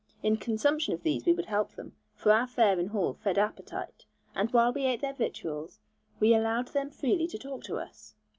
In consumption of these we would help them, for our fare in hall fed appetite; and while we ate their victuals, we allowed them freely to talk to us.